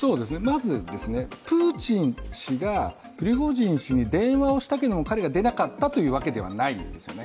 まず、プーチン氏がプリゴジン氏に電話をしたけれども彼が出なかったというわけではないんですよね。